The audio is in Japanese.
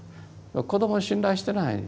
子どもを信頼してない。